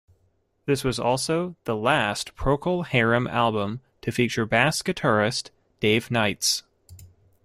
This was also the last Procol Harum album to feature bass guitarist Dave Knights.